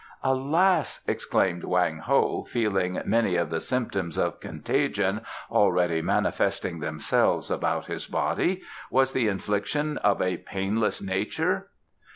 "Alas!" exclaimed Wang Ho, feeling many of the symptoms of contagion already manifesting themselves about his body. "Was the infliction of a painless nature?"